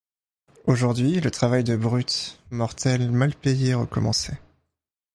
Aujourd’hui, le travail de brute, mortel, mal payé, recommençait.